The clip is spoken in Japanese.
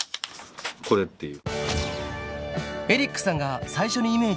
これっていう。